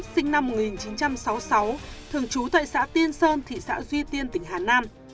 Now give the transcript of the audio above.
sinh năm một nghìn chín trăm sáu mươi sáu thường trú tại xã tiên sơn thị xã duy tiên tỉnh hà nam